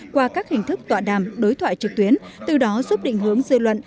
qua các hình thức tọa đàm đối thoại trực tuyến từ đó giúp định hướng dư luận